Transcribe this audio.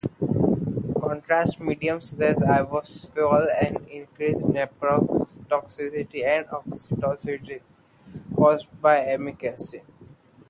Contrast mediums such as ioversol increases the nephrotoxicity and otoxicity caused by amikacin.